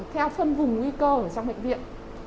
theo phân vùng nguy cơ ở trong bệnh viện